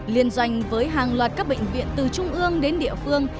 liên doanh với hàng loạt các bệnh viện từ trung ương đến địa phương